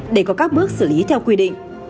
để có các bước xử lý theo quy định